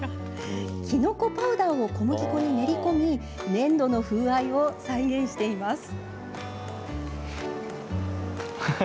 きのこパウダーを小麦粉に練り込み粘土の風合いを再現しています。